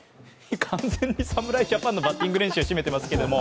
完全に侍ジャパンのバッティング練習が占めてますけども。